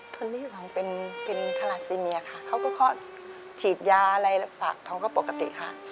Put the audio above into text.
คนที่สองเป็นทาราซิเมียค่ะเขาก็คลอดฉีดยาอะไรฝากท้องก็ปกติค่ะ